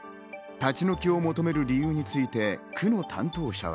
立ち退きを求める理由について区の担当者は。